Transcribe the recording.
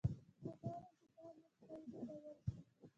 دا کولای شي په عامې قاعدې بدل شي.